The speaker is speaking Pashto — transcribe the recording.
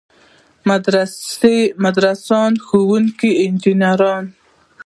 مدرسینو، ښوونکو، انجنیرانو.